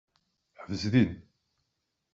Ḥbes din.